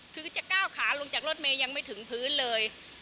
คือจะก้าวขาลงจากรถเมย์ยังไม่ถึงพื้นเลย